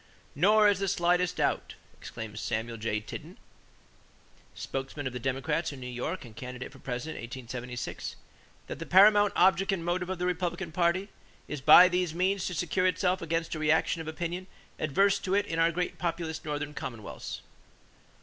"Nor is there the slightest doubt," exclaimed Samuel J. Tilden, spokesman of the Democrats in New York and candidate for President in 1876, "that the paramount object and motive of the Republican party is by these means to secure itself against a reaction of opinion adverse to it in our great populous Northern commonwealths....